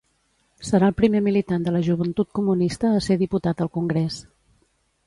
Serà el primer militant de la Joventut Comunista a ser diputat al Congrés.